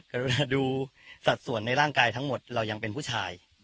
เวลาดูสัดส่วนในร่างกายทั้งหมดเรายังเป็นผู้ชาย